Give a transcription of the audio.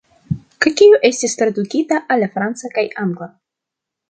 Kaj kiu estis tradukita al la franca kaj angla.